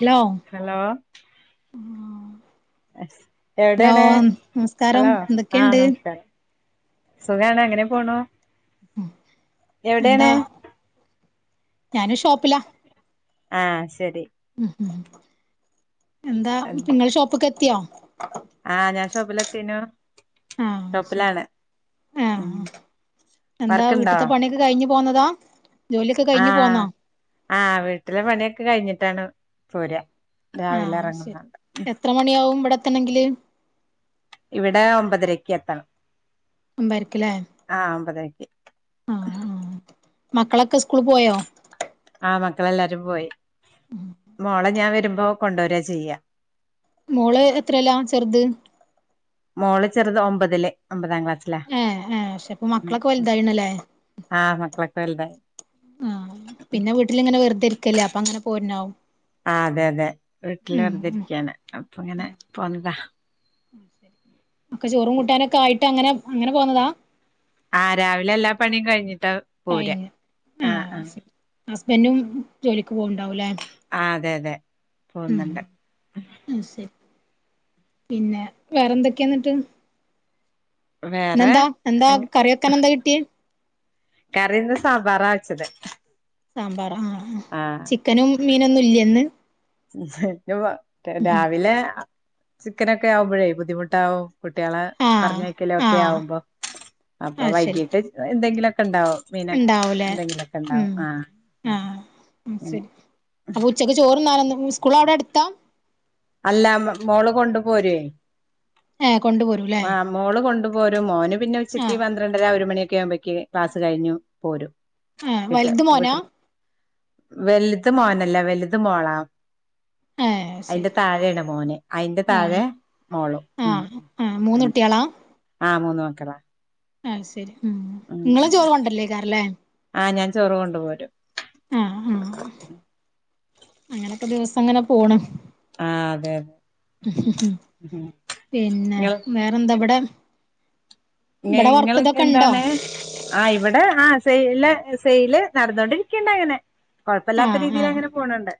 Hello hello hello എവിടെയാണ് നമസ്കാരം hello ആഹ് എന്തൊക്കെയുണ്ട് നമസ്കാരം സുഖാണ് എങ്ങനെ പോണു എന്താ എവിടെയാണ് ഞാനും ഷോപ്പിലാ ആ ശരി ഉം മ് ന്താ ങ്ങള് ഷോപ്പക്കെത്തിയോ? ആ ഞാൻ ഷോപ്പിലെത്തിനു ആഹ് ശരി ഷോപ്പിലാണ് ആഹ് മ്. എന്താ വീട്ട്ത്തെ പണിയൊക്കെ കഴിഞ്ഞു പോന്നതാ? ജോലിയൊക്കെ കഴിഞ്ഞു ആഹ പോന്നോ ആഹ വീട്ടിലെ പണിയൊക്കെ കഴിഞ്ഞിട്ടാണ് പോരാ.. രാവില ഇറങ്ങുന്ന [unintelligible] എത്രമണിയാവും വിടെത്തണെങ്കില്? ഇവിടെ ഒമ്പതരക്ക് എത്തണം ഒമ്പയരക്ക്ല്ലേ? ആഹ് ഒമ്പതര്ക്കി ആ ആ മക്കളൊക്കെ സ്കൂൾ പോയോ? ആ മക്കളെല്ലാരും പോയി. മോളെ ഞാൻ വരുമ്പോ കൊണ്ടുരാ ചെയ്യാ. മോള് എത്രല്ല ചെറുത്? മോള് ചെറുത് ഒമ്പതില് ഒമ്പതാം ക്ലാസ്. ലെ ഏഹ് ഏഹ് പക്ഷെ ഇപ്പൊ മക്കളൊക്കെ വലുതായിണല്ലേ ആ മക്കളൊക്കെ വലതായി ആ പിന്നെ വീട്ടിൽങ്ങനെവെറുതെരിക്കല്ലേ അപ്പൊ ങ്ങനെ പോര്നാവും. ആ അതെ അതെ വീട്ടിൽ വെറുതിരിക്കയാണ് അപ്പ ങ്ങനെ പോന്നതാ. [inaudible] ഒക്കെ ചോറും കൂട്ടാനൊക്കെ ആയിട്ട് അങ്ങനെ അങ്ങനെ പോന്നതാ? ആ രാവിലെ എല്ലാ പണിയും കഴിഞ്ഞിട്ടാ വ് കഴിഞ്ഞു ആഹ ഹസ്ബൻഡും ജോലിക്ക് പോവ്ണ്ടാവൂലേ ആ അതെ അതെ പോകുന്നുണ്ട്. ആ ശരി. പിന്നെ വേറെന്തൊക്കെയന്നിട്ട്? വേറെ ന്നെന്താ എന്താ എന്താ കറി വൊക്കാൻ എന്താ കിട്ടിയവ്? കറിന്ന് സാമ്പാറാ വച്ചത്? സാമ്പാർ ആ അ ചിക്കനും മീനൊന്നും ഇല്ലന്ന്? [unintelligible] രാവിലെ [unintelligible] ചിക്കനൊക്കെ ആകുമ്പഴേ ബുദ്ധിമുട്ടാവും കുട്ടികളെ പറഞ്ഞ ആഹ് യക്കലക്കെ ആഹ് ആവുമ്പോ അപ്പൊ വൈകീട്ട് എന്തെങ്കിലൊക്കെ ണ്ടാവും ഉണ്ടാവൂലേ ഉ ആ ഉം അങ്ങനെ ശരി അപ്പോ ഉച്ചക്ക് ചോർന്നാനൊന്നും ഉം സ്കൂൾ അഉടെ അടുത്താ? അല്ല മോള് കൊണ്ട് പോരൂഎ ഏഹ് കൊണ്ട പോര ആ മോള് കൊണ്ടു പോരും. മോന് പിന്നെ ഉച്ചക്ക് ആഹ് പന്ത്രണ് ണ്ടര ഒരു മണിയൊക്കെ ആകുമ്പേക്ക് ക്ലാസ് കഴിഞ്ഞു പോരും. ആഹ് ഇട്ട് വലുത് മോനാ വീട്ടിൽ വലുത മോനല്ല വലുത മോളാ ഏഹ് അയിന്റെ ശരി താഴെണ് മോന് അയിന്റെ താഴെ മോളും ഉ ഉം മൂന്നുട്ട്യാളാ ആഹ് മൂന്ന് മക്കളാ. ആഹ ശരി ഉ ഉം ങ്ങള ചോറ് കൊണ്ടല്ലേക്കാരല്ലേ ആ ഞാൻ ചോറു കൊണ്ട് പോരും. ആഹ് ആഅങ്ങനൊക്കെ ദിവസം അങ്ങനെ പോണ് ആ അതെ അതെ ഹ്മ് ഹ്മ് പിന്നെ നിങ്ങള് വേറെന്താവിടെ [unintelligible] ങ്ങളൊക്കെ ഉണ്ടോ എന്താണ്? ആ ഇവിടെ ആ സെ സെയില് നടന്നോൊണ്ടിരിക്കണ്ടങ്ങനെ കുഴപ്പല്ലാത്ത ആഹ് ആഹ് രീതിലങ്ങനെ പോണണ്ട്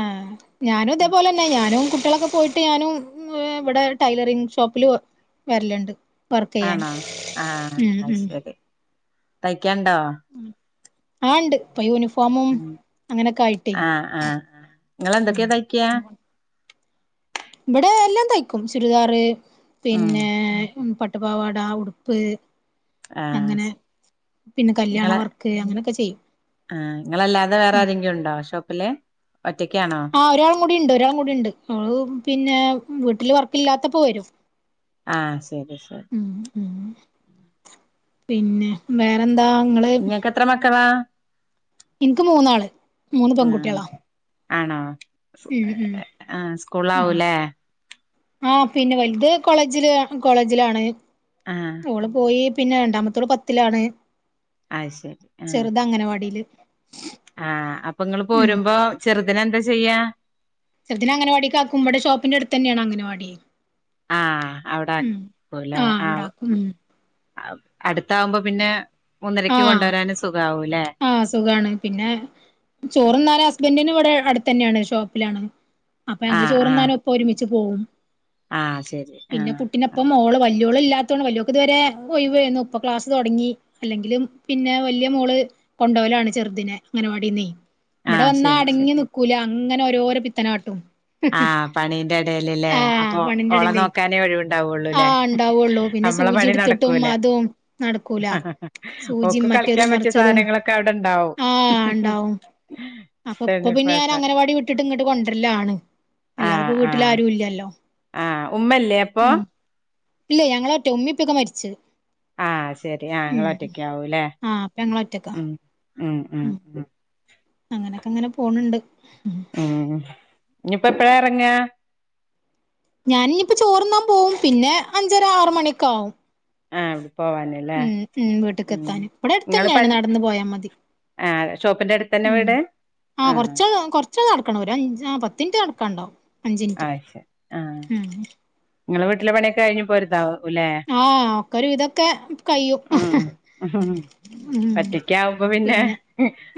ആഹ് ഞാനും തേപോലെന്നെ ഞാനും കുട്ട്യാളൊക്കെ പോയിട്ട് ഞാനും ഇവിട ടൈലറിങ് ഷോപ്പില്. വരല്ണ്ട് വർക്കയ്യാൻ ആണോ ആ ഉ അത് ഉം ശരി തയ്ക്കാണ്ടോ? ആ ണ്ട് പ്പൊ യൂണിഫോമും ഉം അങ്ങനെയൊക്കെ ആയിട്ടേ. ആഹ് ആഹ് നിങ്ങെന്തൊക്കെയാ തയ്ക്ക്യയാ ഇവിടെ എല്ലാം തയ്ക്കും ചുരിദാർ ഉം പിന്നെ പട്ടുപാവാട ഉടുപ്പ് ആഹ് അങ്ങനെ ശരി പിന്നെ കല്യാണ നിങ്ങളെ വർക്ക് അങ്ങനെയൊക്കെ ചെയ്യും. ആഹ് നിങ്ങളല്ലാതെ വേറെ ആരെങ്കിലും ഉണ്ടോ ഷോപ്പില് ഒറ്റക്കാണോ ആ ഒരാളും കൂടി ഉണ്ട് ഒരാളും കൂടി ഉണ്ട് അവള് പിന്നെ വീട്ടില് വർക്ക ഇില്ലാത്തപ്പോ വരും ആഹ് ശരി ശരി ഉം ഉം പിന്നെ വേറെന്താ ങ്ങള് ഇങ്ങക്ക് എത്ര മക്കളാ ഇൻക്ക് മൂന്നാള് മൂന്ന് ആഹ് പെൺകുട്ടികളാ ആണോ ഉം ഉം ആ സ്കൂള് ഉം ആവൂല്ലേ ആഹ് പിന്നെ വലുത് കോളേജിൽ കോളേജിലാണ്. ആഹ് ഓള് പോയി പിന്നെ രണ്ടാമത്തോട് പത്തിലാണ്. അഅ് ശരി ആഹ് ചെറുത് അംഗനവാടിയില് ആഹ് അപ്പൊ നിങ്ങ ഉം പോരുമ്പോ ചെറ്തിനെ എന്താ ചെയ്യാ ചെറ്തിനെ അംഗൻവാടികാക്കും മ്മടെ ഷപ്പിന്റെടുത്തന്നെയാണ്. അംഗനവാടിയെ ആഹ് അവിടെ അടുത്ത്ല്ലേ ഇവിടെ ആഹ് ആക്കും ഉം അടുത്ത ആവുമ്പോ പിന്നെ ഒന്നരക്ക് ആഹ് കൊണ്ടുവരാനും സുഖാ ആവുംല്ലെ ആഹ് സുഖാണ്. പിന്നെ ചോറ്ന്നാന് ഹസ്ബൻറിന് ഇവിടെ അടുത്തന്നെയാണ് ഷോപ്പിലാണ്. അപ്പൊ ഞങ്ങള് ആഹ് ആഹ് ചോറന്നാനും ഒപ്പം ഒരുമിച്ച് പോവും. ആഹ് ശരി പിന്നെ ആഹ് കുട്ടി നെ ഇപ്പ മോള് വല്യോള ഇല്ലാത്തതൊണ്ട് വല്യോക്ക് ഇതുവരെ ഒയിവേന്നു ഇപ്പൊ ക്ലാസ് തുടങ്ങി. അല്ലെങ്കിലും പിന്നെ വല്യയ മോള് കൊണ്ടോലാണ് ചെറുദിനെ അംങ്ങനവാടിനെ ഇവിടെ ആഹ് വന്നാ ശരി ശരി അടങ്ങി നി കുല അങ്ങനെ ഓരോ പിത്തനക്കാട്ടും. ആഹ് പണീന്റെ ഇടൽല്ലേ അപ്പൊ ഓള പണിന്റെടയിലേ നോക്കാനേ ഒഴിവുണ്ടാവുള്ളുല്ലേ ആഹ് ഉണ്ടാവുള്ളൂ പിന്നെ നമ്മളെ സൂചി പണി എടുത്തിട്ടും നടക്കൂല അതും നടക്കൂല ഓക്ക് സൂചിയും കളിക്കാൻ മറ്റേതും പറ്റിയ മറിച്ചതും സാധനങ്ങളൊക്കെ അവിടെണ്ടാവും. ആഹ് ഉണ്ടാവും അപ്പൊ ഇപ്പൊ പിന്നെ ഞാൻ തെണ്ണിപ്പാട്ട അംങ്ങനവാടി വിട്ടിട്ട് ഇങ്ങിട്ട് കൊണ്ടരലാ ആണ് അല്ലാത ആഹ് ഇപ്പ വീട്ടില ആഹ് ആരും ഇല്ലല്ലോ ഇല്ലല്ലോ ആഹ് ഉമ്മല്ലേ അപ്പൊ ഉം ഇല്ല ഞങ്ങളോ ഒറ്റ ഉമ്മിപ്പൊക്കെ മരിച്ച് ആ ശരി ഇങ്ങള് ഉം ഒറ്റക്ക ആവൂല്ലേ ആഹ് അപ്പൊ ഞങ്ങളൊറ്റക്കാ ഉം ഉം ഉം ഉം അങ്ങനെയൊക്കെ അങ്ങനെ പോണ് ണ്ട് ഉം ഇനിയിപ്പ എപ്പഴാ ഇറങ്ങാ ഞാൻ ഇനിയിപ്പോ ചോർന്നാൻ പോവും പിന്നെ അഞ്ചര ആറ മണി ഒക്കെ ആവും. ആഹ് അടെ പോവാന് ഉം ഉം വീട്ടേക്ക് എത്താന് ഇവിടെ അടുത്ത് തന്നെയാണ് പൺ നടന്ന് പോയാ മതി ആഹ് ഷോപ്പിന്റെ അടുത്ത് തന്നെ ഉം വീട് ആഹ് കൊറച്ച കൊ കുറച്ച നടക്കണം ഒരഞ്ച് പത്തിൻറ്റ് നടക്കണ്ടാവും അഞ്ചിനിറ്റ് ഉം നിങ്ങ വീട്ടില പണി ഒക്കെ കഴഞ് പോരുന്നതാവും. ആഹ് ഒക്കരുവിതൊക്കെ കയ്യും ഉം ഉം പിന്നെ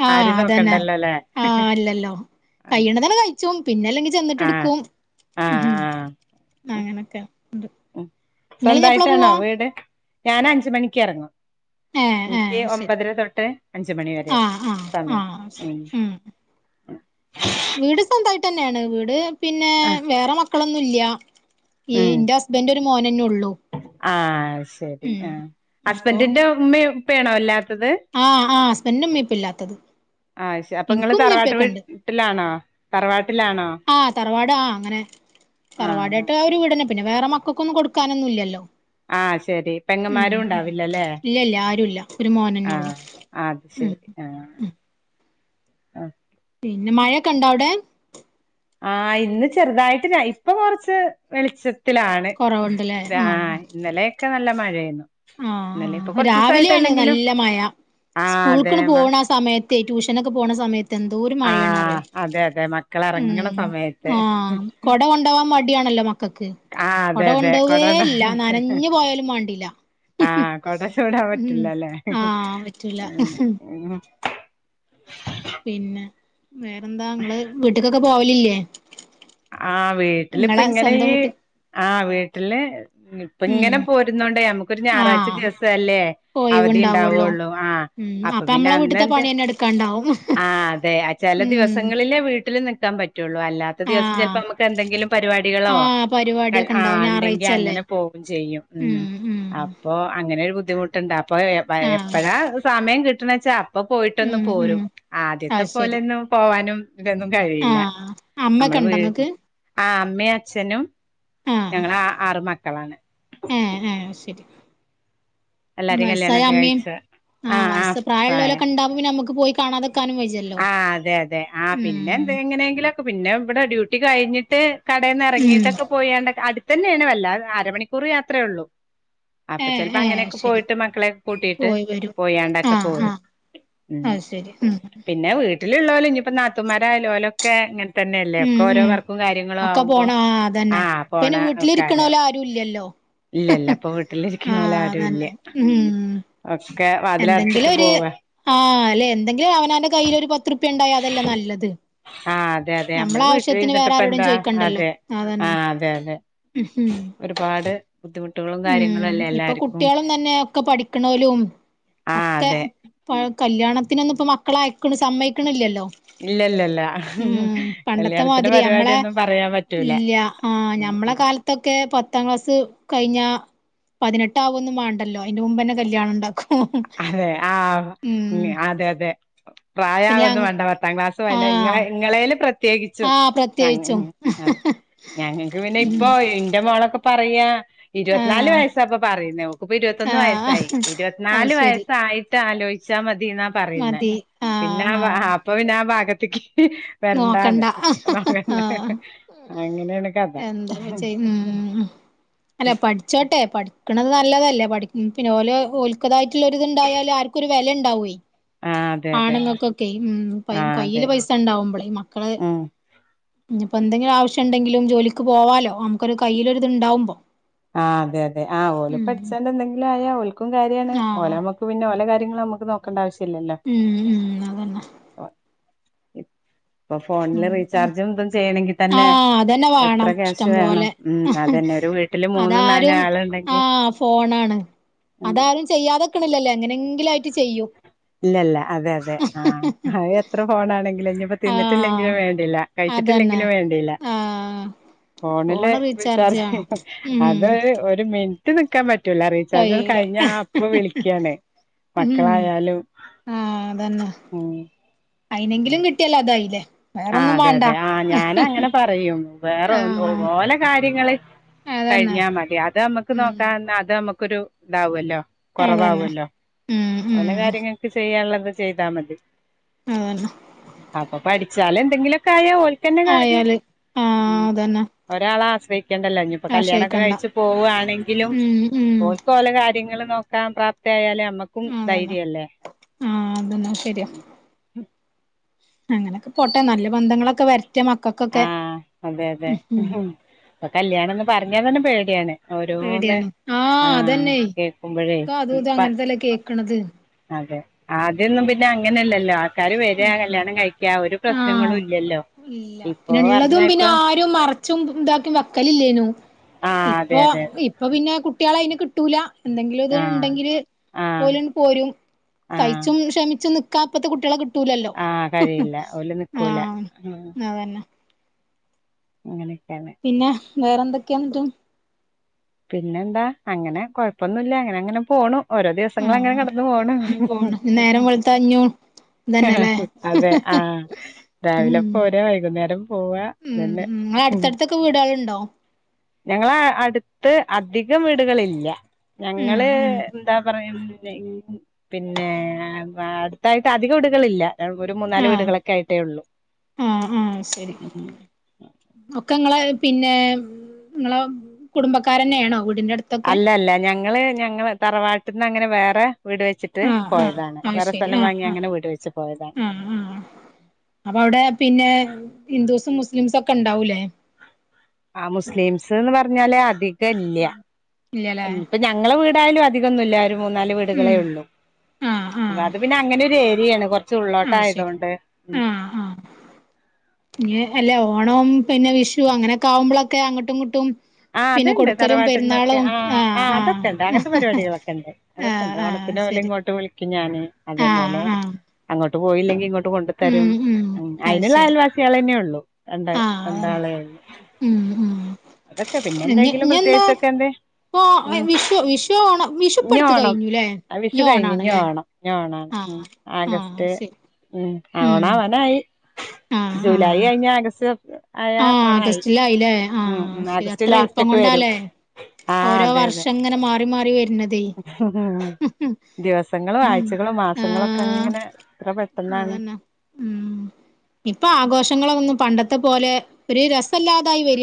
ആഹ് ആരിം അതന്നെ നോക്കണ്ടല്ലോ ല്ലേ ആഹ് ഇല്ലല്ലോ ആഹ് കൈണതാണ് ക യ ച്ചും പിന്നെ അല്ലെങ്കി ചെന്നിട്ട് ആഹ് എടുക്കും ഉഹും ആഹ് അങ്ങനൊക്കെ ഉണ്ട് ഉംസ്വന്തമായിട്ടാണോ വീട് ഞൻ അഞ്ച മണിക്ക് ഇറങ്ങണം ഏഹ് ഏഹ് എനിക്ക് ശരി ഒമ്പതിര തൊട്ട് അഞ്ച് മണി വരെയാണ് ആഹ് ആഹ് സമയം ആഹ് ശരി ഉം വീട് സ്വന്തമായിട്ട് തന്നെയാണ് വീട് പിന്നെ ആഹ് വേറെ മക്കളൊന്നുംല്ല ഈ ഉം എൻ്റെ ഹസ്ബൻന്റ് ഒരു മോനന്നെ ഉള്ളൂ. ആഹ് ശരി ഉം ആഹ്. അപ്പൊ ഹസ്ബഡ്ന്റിന്റെ ഉമ്മയും ഉപ്പയും ആണോ ഇല്ലാ ത്തത്. ആഹ് ആഹ് ഹസ്ബൻഡിന് ഉമ്മേം ഉപ്പേം ഇല്ലാത്തത് ആഹ് ശ അപ്പൊ ഇങ്ങള് ഇനിക്കും ഉമ്മേം ഉപ്പേം തറവാട്ട് ഒക്കെ വീട്ട് ഉണ്ട് ട്ടിലാണോ? തറവാട്ടിലാണോ? ആഹ് തറവാട് ആഹ് അങ്ങനെ. ആഹ് തറവാടായിട്ട് ആ ഒരു വീടന്നെ പിന്നെ വേറെ മക്കൾക്കൊന്നും കൊടുക്കാനൊന്നും ഇല്ലല്ലോ. ആഹ് ശരി ഉം പെങ്ങമാരും ഉം ഉണ്ടാവില്ലല്ലേ. ഇല്ല ഇല്ല ആരുല്ല ഒരു മോനന്നെ ഉള്ളു ആഹ് അത് ഉം ശരി ആഹ് ഉം ആ പിന്നെ മഴയൊക്കെ ഇണ്ടാ അവിടെ? ആഹ് ഇന്ന് ചെറുതായിട്ട് ര ഇപ്പൊ കൊറച്ച് വെളിച്ച ത്തിലാണ് ആഹ്. ഇന്നലെയൊക്കെ നല്ല മഴയേന്നു. ആഹ് ആഹ് രാവിലെയാണ് നല്ല മഴ. ആഹ് സ്കൂൾ അതെ ക്ക്ണ്ട് പോണ സമയത്തെ. ട്യൂഷനൊക്കെ പോണ സമയത് തെന്തോര് മഴയാണ് അറിയോ. ആഹ് അതെ അതെ മക്കൾ എറങ്ങണ ഉം സമയത്ത് ആഹ് കൊട കൊണ്ടാവാൻ മട് ടിയണല്ലോ മക്കൾക്ക്. ആഹ് കൊട അതെ അതെ കൊണ്ടോവേ കൊടോണ്ട ഇല്ല നനഞ്ഞു പോയാലും മാണ്ടില്ല. ആഹ് കൊട ചൂടാൻ ഉം പറ്റില്ലല്ലേ ആഹ് പറ്റുല്ല. [unintelligible] പിന്നെ വേറെന്താ ഇങ്ങള് വീട്ടിക്കൊക്കെ പോവലില്ലേ? ആഹ് വീട്ടില് ഇപ്പ ഇങ്ങളെ ഇങ്ങനെ സ്വന്തം ഈ വീട്ട് ആഹ് വീട്ടില് ഉം ഇപ്പ ഉം ഇങ്ങനെ പോരുന്നോണ്ടേ നമുക്കൊരു ഞായറാഴ്ച് ച്ച് ആഹ് ദിവസല്ലേ അവധി ഒയിവുണ്ടാവുള്ളൂ ഉണ്ടാവുള്ളു. ആഹ് ഉം അപ്പൊ പിന്നെ നമ്മളെ വീട്ടത്തെ അന്നണ്ട് പണിന്നെ എടുക്കാണ്ടാവും ആഹ് അതെ ആ ചെല ഉം ദിവസങ്ങളിലെ വീട്ടിൽ നിക്കാൻ പറ്റുള്ളൂ അല്ലാത്ത ദിവസ് ചെലപ്പ ആഹ് അമ്മക്ക് എന്തെങ്കിലും പരിപാടികളോ ആഹ് പരിപാടിയൊക്കെ ഉണ്ടാവും ആഹ് ഇണ്ടെങ്കിൽ ഞായറാഴ്ചല്ലേ അങ്ങനെ പോകും ചെയ്യും. ഉം അപ്പൊ അങ്ങനെരു ബുദ്ധിമുട്ട് ട്ട്ണ്ട. അപ്പൊ എഹ് പയെ ആഹ് എപ്പഴാ സമയം കിട്ടണ വെച്ചാ അപ്പൊ പോയിട്ടൊന്ന് ഉം പോരും. ഉം ആദ്യത്തെ അത് പോലെ ശരി ഒന്നും പോവാനും ഇതൊന്നും കഴിയില്ല. ആഹ് അമ്മക്കെ നമ്മള് വീ ഇണ്ടോ ഇങ്ങക്ക് ആഹ് അമ്മയും അച്ഛനും ആഹ് ഞങ്ങൾ ആ ആറ് മക്കളാണ്. ഏഹ് ഹേ ശരി എല്ലാരേം വയസ്സായ കല്യാണൊക്കെ അമ്മയും കഴിച്ച ആഹ് വയസ്സ് പ്രായ ഉള്ളോലൊക്കെ ഇണ്ടോ? അപ്പ പിന്നെ നമുക്ക് പോയി കാണാതക്കാനും വജ്ജൽ ആഹ് അതെ അതെ ആഹ് പിന്നെ എന്ത എങ്ങനെയെങ്കിലും ഒക്കെ പിന്നെ ഇവിടെ ഡ്യൂട്ടി കഴിഞ്ഞിട്ട് കടയേന്ന് ഉം ഇറങ്ങിട്ടൊക്കെ പോയാണ്ട് അടുത്തന്നെ ആണ്. വല്ലാത് അരമണിക്കൂർ യാത്രേ ഉള്ളൂ. അപ്പൊ ഏഹ് ചെൽപ്പ ഏഹ് അങ്ങനെയൊക്കെ ശരി പോയിട്ട് മക്കളെക്കെ കൂട്ടിട്ട് പോയി പോയാണ്ടൊക്കെ പോരും. ഉം അഹ് ശരി ഉം പിന്നെ വീട്ടിൽ ഉള്ളോല് ഇനിയിപ്പ നാത്തൂമാരായാൽ ഓല ഒക്കെ ഇങ്ങൻ തന്നെയല്ലേ ഉം ഒക്കെ ഓരോ ഉം വർക്കും കാര്യങ്ങളും ഒക്കെ ആവുമ്പോ പോണം ആ ആഹ് പോണ ഒക്ക ആരാവും. [unintelligible] ആഹ് വീട്ടിലിരിക്കണോല് ആരും ഇല്ല അതന്നെ ഉം ഒക്കെ വാതിൽ അടച്ചിട്ട് പോവ. ആഹ് അലെ എന്തെങ്കിലും അവനാന്റെ കയ്യിൽ ഒരു പത്ത്റുപ്യണ്ടായ അതല്ലേ നല്ലത്. ആഹ് അതെ അതെ നമ്മളെ നമ്മള് വീട്ടിൽ ആവശ്യത്തിന് ഇുരുന്നിട്ട് വേറെ ഇപ്പ ആരോടും എന്താ. ചോദിക്കണ്ടല്ലോ അതെ അതന്നെ ആഹ് അതെ അതെ ഉം ഒരുപാട് ബുദ്ധിമുട്ടുകളും കാര്യങ്ങളും ഉം അല്ലേ ഇപ്പൊ എല്ലാര്ക്കും. കുട്ടികളും തന്നെ ഒക്കെ പഠിക്കണോലും ഒക്കെ പഴ കല്യാണത്തിനൊന്നും ഇപ്പ മക്കൾ അയക്ക്ണ സമ്മയിക്കണില്ലല്ലോ ഇല്ലല്ലല്ല ഉം പണ്ടത്തെ കല്യാണത്തിന്റെ മാതിരി നമ്മളെ പരിപാടിയൊന്നും പറയാൻ പറ്റൂല ഇല്ല ആഹ് ഉം ഞമ്മളെ ഉം കാലത് ത്തൊക്കെ പത്താം ക്ലാസ് കഴിഞ്ഞ പതിനെട്ട് ആവൊന്നും വേണ്ടല്ലോ. അയിന്റെ മുമ്പന്നെ കല്യാണം ഇണ്ടാക്കും. അതെ ആഹ് അതെ അതെ പ്രായ പിന്നെ അ ആവൊന്നും വാണ്ട. പത്താം ക്ലാസ് വഴിഞ്ഞ ആഹ് ഇങ്ങളെ ഇങ്ങളേൽ പ്രത്യേകിച് ച്ചും ആഹ് പ്രത്യേകിച്ചും ഞങ്ങ ഞങ്ങക്ക് പിന്നെ ഉം ഇപ്പൊ ഇന്റെ മോളൊക് പറയാ. ഇരുപത് നാല് ആഹ് വയസ ഇപ്പ പറയനേ. ഓക്ക് ഇപ്പൊ ഇരുപത്തൊന്ന് ആഹ് വയസായി. ഇരുപത് അത് നാല് ശരി വയസ ആയിട്ട് ആലോചിച്ചാൽ മതി ഇന്നാ പറയുന്നെ. പിന്നെ ആഹ് വാ അപ്പൊപിന്നെ ആ ഭാഗത്തക്ക് നോക്കണ്ട വരണ്ടാന്ന് ആഹ് [unintelligible] അങ്ങനെയാണ് കഥ എന്താപ്പ ചെയ്യ ഉം അല്ല പഠിച്ചോട്ടെ പഠിക്കണത് നല്ലതല്ലേ പഠ പിന്നെ ഓല് തായിട്ടുള്ള ഒരിത്ണ്ടായാല് ആർക്കും ഒരു വിലുണ്ടാവുല്ലോ ആഹ് അതെ അതെ ആണുങ്ങൾക്കൊക്കെ ഉം ആഹ് അതെ കയ്യില് പൈസ ഉണ്ടാവുമ്പള് മക്കള് ഉം ഇനിപ്പോ എന്തെങ്കിലും ആവശ്യണ്ടെങ്കിലും ജോലിക്ക് പോവാലോ നമുക്കൊരു കയ്യിലൊരുത് ഇതുണ്ടാവുമ്പോ ആഹ് അതെതെ ആ ഓല് പഠിച്ചാണ്ട് എന്തെങ്കിലും ആയാ ഓല്ക്കും കാര്യമാണ് ആഹ് ഓലമക്ക പിന്നെ ഓല കാര്യങ്ങള് നമ്മക്ക് നോക്കണ്ട ആശ്യല്ലല്ലോ ഉം ഉം അതന്നെ [unintelligible] ഇപ്പൊ ഫോണില് റീചാർജും ഇതും ചെയ്യണമെങ്കിൽ തന്നെ ആഹ് അതന്നെ എത്ര വേണം ക്യാശ് ഇഷ്ടം വേണം പോലെ ഉം അതന്നെ ഒരുവീ അതാരും ആ ഫോണാണ് ഉം അത ചെയ്യാതെക്കണല്ലല്ലോ എങ്ങനെങ്കിലും ആയിട്ട് ചെയ്യും ഇല്ലല്ല അതെ അതെ ആ അത് എത്ര ഫോണാണെങ്കിലും അ ആഹ് തിന്നിട്ടില്ലെങ്കിലും വേണ്ടില്ല അതന്നെ കഴിച്ചിട്ടില്ലെങ്കിലും വേണ്ടില്ല ആഹ് ഫോണില് ഫോണ് റീചാർജ് വേണം ഉം അത് ഒരു മിന റ്റ് നിൽക്കാൻ പറ്റൂല റീചാർജ്ന്ന് കഴിയൂല കഴിഞ്ഞ അപ്പ വിളിക്കാണ് ഉം മക്കളായാലും ആഹ് അതന്നെ ഉം അയിനെങ്കിലും കിട്ടിയാലതായില്ലേ ആഹ് അതെ അതെ ആഹ് ഞാന ങ്ങനെ പറയും വേറെ ആഹ് ഓലെ കാര്യങ്ങള് അതന്നെ കഴിഞ്ഞാ മതി അത് നമ്മുക്ക് ഉം നോക്കാ തന്നാ അത് നമുക്ക് ക്കൊരു ഇതാവുമല്ലോ അതന്നെ കുറവാവല്ലോ ഉം ഉം ഓല കാര്യങ്ങള് ചെയ്യാനുള്ളത് ചെയ്താൽ മതി അതെന്നെ അപ്പൊ പഠിച്ചാല് എന്തെങ്കിലുക്കെ ആയാൽ ഓൽക്കന്നെ കാര്യം ആയാല് ആഹ് അതന്നെ ഒരാളെ ആശ്രയിക്കേണ്ടല്ലോ ഇനി ഇപ്പോ കല്യാണൊക്കെ ആശ്രയിക്കണ്ട കഴിച്ചു പോവാണെങ്കിലും ഉം ഉം ഓല്ക് ഓളെ കാര്യങ്ങൾ നോ ക്കാൻ പ്രാപ്തയാല് നമ്മക്കും അതന്നെ ധൈര്യല്ലേ ആഹ് അതന്നെ ശരിയാ അങ്ങനൊക്കെ പോട്ടെ നല്ല ബന്ധങ്ങളൊക്കെ വരറ്റെ മക്കൾക്കൊക്കെ ആഹ് അതെ അതെ ഉം ഇപ്പൊ കല്യാണം എന്ന് പറഞ്ഞാ തന്നെ പേടിയാണ് ഓരോന്ന് പേടിയാണ് ആഹ് അതെന്നെ കേക്കുമ്പഴേ ഇപ്പൊ അതും ഇതും ഇപ്പ അങ്ങനത്തെല്ലേ കേക്കണത് അതെ ആദ്യൊന്നും പിന്നെ അങ്ങനെയല്ലല്ലോ ആൾക്കാര് വരിക ഇല്ലേനോ കല്യാണം കഴിക്കാ ഒരു ആഹ് പ്രശ്നങ്ങളും ഇല്ലല്ലോ ഇല്ല ഇപ്പൊ പിന്നെ പറഞ്ഞാ ഉള്ളതും പിന്നെ ഇപ്പൊ ആരും മറച്ചും ഇതാക്കി വെക്കലില്ലേനു ആഹ് അതെ ഇപ്പൊ അതെ അതെ ഇപ്പൊ പിന്നെ കുട്ടികളെ അതിന് കിട്ടൂല എന്തെങ്കിലും ഇത് ആഹ് ഉണ്ടെങ്കില് ആഹ് ഓല് ങ്ങട്ട് പോരും ആഹ് സഹിച്ചും ക്ഷമിച്ചും നിക്കാ പ്പത്തെ കുട്ടികളെ കി ലല്ലോ ആഹ് കഴിയില്ല ഓല് നിക്കൂല ആഹ് ഉം അതെ അങ്ങനെയൊക്കെയാണ് പിന്നെ വേറെന്തൊക്കെയാ ഇന്നിട്ട് പിന്നെന്താ അങ്ങനെ കൊഴപ്പൊന്നുല്ല അങ്ങനെ അങ്ങനെ പോണു ഓരോ ദിവസങ്ങൾ ആഹ് അങ്ങനെ ആഹ് കടന്നു പോണു അങ്ങനെ പോണ് നേരം വെളുത്താ ഇഞ്ഞും ഇതന്നെല്ലേ അതെ ആഹ് രാവിലെ ഉം പോരാ വൈകുന്നേരം പോവാ അതെന്നെ ഉം ത്ത് വീടുകൾണ്ടോ ഞങ്ങളെ അടുത്ത് അധികം വീടുകളില്ല ഉം ഞങ്ങള് ഉം എന്താ പറയ പിന്നെ പിന്നെ അടുത്തായിട്ട് അധികം വിടുകളില്ല ഒരു മൂന്നാല് ആഹ് വീടുകളൊക്കെ ആയിട്ടേ ഉള്ളൂ ആഹ് ആഹ് ശരി ഒക്കെ നിങ്ങളെ പിന്നെ നിങ്ങളെ കുടുംബക്കാരന്നെയാണോ വീടിന്റെ അടുത്ത് അല്ല അല്ല ഞങ്ങള് ഞങ്ങള് തറവാട്ടിൽ നിന്ന് അങ്ങനെ വേറെ വീട് വെച്ചി ട്ട് ആഹ് ആഹ് പോയതാണ് അത് വേറെ ശരി സ്ഥലം ആഹ് വാങ്ങി ആഹ് അങ്ങനെ വീട് വെച്ച് പോയതാണ് ആഹ് അപ്പൊ അവിടെ പിന്നെ ഹിന്ദൂസും മുസ്‌ലിംസും ഒക്കെ ഉണ്ടാവൂലേ ആ മുസ്‌ലിംസ് ന്ന് പറഞ്ഞാല് അധികം ഇല്ല ഇല്ലല്ലേ ഇപ്പഞ ഞങ്ങള വീടായാലും അധികം ഒന്നുല്ല ഒരു മൂന്നാല് വീടുകളെ ഉം ഉള്ളൂ ആഹ് അപ്പൊ ആഹ് അത് പിന്നെ അങ്ങന ഒരു എ രിയേണ് കൊർച്ച് ഉള്ളോട്ട് ആഹ് ശരി ആയതോണ്ട് ഇ അല്ലേ ഓണം പിന്നെ വിഷു അങ്ങനെക്കെ ആകുമ്പോളൊക്കെ അങ്ങട്ടും ഇങ്ങട്ടും ആ പിന്നെ അത്ണ്ട് കൊടുക്കലും തറവാട്ടിൽ നിന്നൊക്കെ പെരുന്നാളും ആ ആ ആഹ് ആഹ് അതൊക്കെ ഉണ്ട് അങ്ങൻത്തെ പരിപാടികളൊക്കെ ഇണ്ട് ആഹ് അതൊക്കെണ്ട് ആഹ് ഓണത്തിന് ഓലെ ശരി ഇങ്ങോട്ട് വിളിക്കും ഞാന് ആഹ് അതേപോലെ ആഹ് അങ്ങോട്ട് പോയില്ലെങ്കിൽ ഇങ്ങോട്ട് കൊണ്ടു തരും ഉം ഉം അത് അയിനുള്ള ശരി അയൽവാ സിയളെന്നെ ഉള്ളു രണ്ട് ആഹ് അതന്നെ രണ്ടാളേ ഉം ഉം അതൊക്കെ പിന്നെ എന്തെങ്കിലും പ്രത്യേകിച്ചൊക്കെ എന്തേ പ്പൊ ഉം വിഷു വിഷു ഓണം വിഷു ഇനി ഇപ്പടുത്ത് കഴിഞ്ഞുലെ ഇഞ് ഓണാണ് ലെ ഇഞ് ഓണാണ് ഉം ആഗസ്റ്റ് ഉം ആ ഉം ഓണാവാനായി ആഹ് ജൂലൈ ആഹ് കഴിഞാ ആഗസ്റ്റ് ആയാ ആഹ് ഓണായി ആഗസ്റ്റിലായില്ലേ ഉം ആഹ് ഉം ശരി ആഗസ്റ്റ് അത്ര ലാസ്റ്റ് എൾപ്പം ഒക്കെ വരും കൊണ്ടാലെ ആഹ് ഓരോ വർഷം ഇങ്ങനെ മാറി മാറി വരുന്നത് ഉം ദിവസങ്ങളും ഉം ആഴ്ചകളും മാസങ്ങളൊക്കെ ആഹ് അങ്ങനെ എത്ര പെട്ടെ ന്നാണ് അതന്നെ ഉം ഇപ്പൊ ആഘോഷങ്ങളൊന്നും പണ്ടത്തെ പോലെ ഒരു രസല്ലാതായി വര